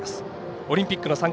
オリンピックの参加